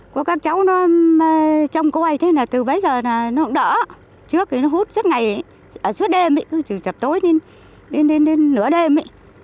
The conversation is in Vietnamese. của các cháu nó trông cô ấy thế là từ bấy giờ nó cũng đỡ trước thì nó hút suốt ngày suốt đêm trừ trập tối đến nửa đêm